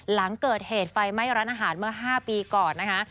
หลังเกิดเหตุไฟไหม้ร้านอาหารเมื่อ๕ปีก่อนนะคะ